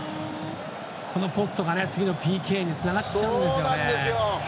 このポストが次のＰＫにつながっちゃうんですよね。